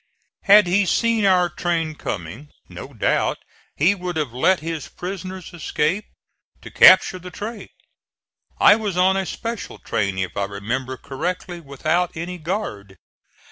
Had he seen our train coming, no doubt he would have let his prisoners escape to capture the train. I was on a special train, if I remember correctly, without any guard.